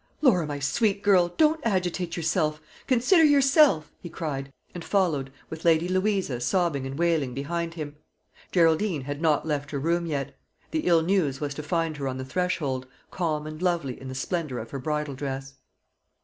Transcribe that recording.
"Laura, my sweet girl, don't agitate yourself; consider yourself," he cried, and followed, with Lady Louisa sobbing and wailing behind him. Geraldine had not left her room yet. The ill news was to find her on the threshold, calm and lovely in the splendour of her bridal dress.